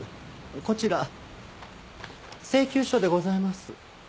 こちら請求書でございます。